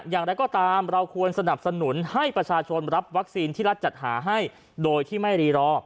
อย่างไรก็ตามเราควรสนับสนุนให้ประชาชนรับวัคซีนที่รัฐจัดหาให้โดยที่ไม่รีรอ